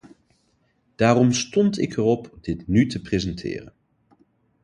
Daarom stond ik erop dit nu te presenteren.